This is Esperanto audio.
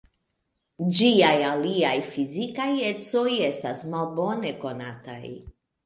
Ĝiaj aliaj fizikaj ecoj estas malbone konataj.